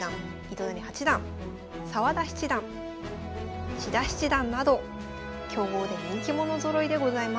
糸谷八段澤田七段千田七段など強豪で人気者ぞろいでございます。